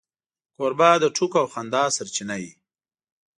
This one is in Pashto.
کوربه د ټوکو او خندا سرچینه وي.